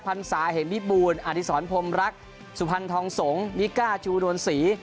พันศาเหมวิบูลอดิษรพรมรักสุพรรณทองสงศ์นิก้าชูดวนศรี